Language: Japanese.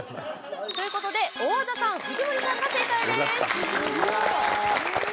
ということで大和田さん藤森さんが正解です！